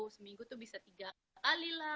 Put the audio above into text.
seminggu itu bisa tiga kali lah